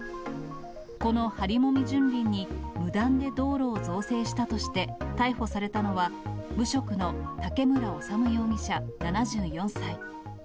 このハリモミ純林に、無断で道路を造成したとして逮捕されたのは、無職の竹村修容疑者７４歳。